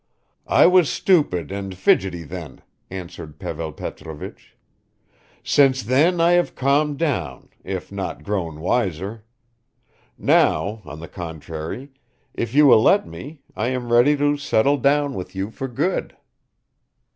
"I was stupid and fidgety then," answered Pavel Petrovich. "Since then I have calmed down, if not grown wiser. Now, on the contrary, if you will let me, I am ready to settle down with you for good."